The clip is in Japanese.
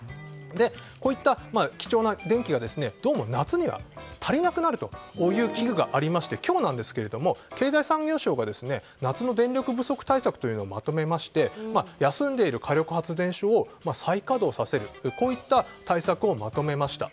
こういった貴重な電気がどうも夏には足りなくなるという危惧がありまして今日なんですが経済産業省が夏の電力不足対策をまとめまして休んでいる火力発電所を再稼働させるといった対策をまとめました。